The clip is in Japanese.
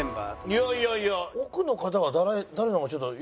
いやいやいや奥の方は誰なのかちょっと。